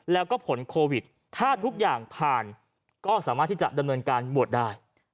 แล้วก็ผลโควิดถ้าทุกอย่างผ่านก็สามารถที่จะดำเนินการบวชได้